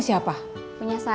bukan abang yang salah